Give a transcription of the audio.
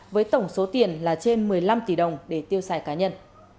với tổng số tiền là trên một mươi năm tỷ đồng để tiêu xài cá nhân